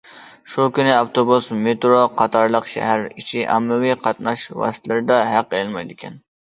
شۇ كۈنى ئاپتوبۇس، مېترو قاتارلىق شەھەر ئىچى ئاممىۋى قاتناش ۋاسىتىلىرىدە ھەق ئېلىنمايدىكەن.